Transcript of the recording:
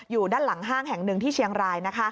อยู่ด้านหลังห้างแห่งหนึ่งที่เชียงราย